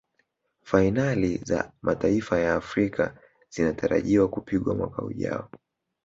fainali za mataifa ya afrika zinatarajiwa kupigwa mwaka ujao